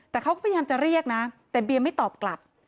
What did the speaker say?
แต่เขาก็พยายามจะเรียกนะแต่เบียร์ไม่ตอบกลับ